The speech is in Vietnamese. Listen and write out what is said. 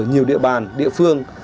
nhiều địa bàn địa phương